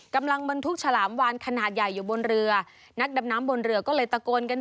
กำลังบรรทุกฉลามวานขนาดใหญ่อยู่บนเรือนักดำน้ำบนเรือก็เลยตะโกนกัน